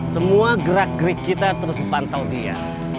semua gerak gerik kita terus pantau dia